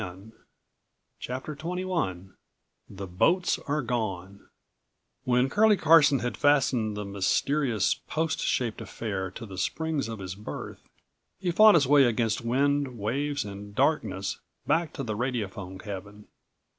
203 CHAPTER XXITHE BOATS ARE GONE When Curlie Carson had fastened the mysterious post shaped affair to the springs of his berth, he fought his way against wind, waves and darkness back to the radiophone cabin.